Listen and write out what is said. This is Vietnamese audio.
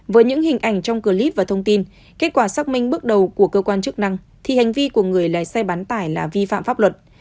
với những hình ảnh trong clip và thông tin kết quả xác minh bước đầu của cơ quan chức năng thì hành vi của người lái xe bán tải là vi phạm pháp luật